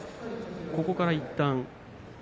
ここからいったん。